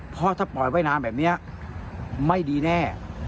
เพราะถ้าปล่อยไว้นานแบบนี้ไม่ดีแน่